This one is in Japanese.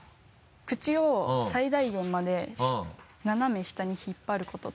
口を最大限まで斜め下に引っ張ることと。